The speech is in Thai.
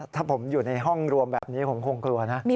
ถ้าผมอยู่ในห้องรวมแบบนี้ผมคงกลัวนะ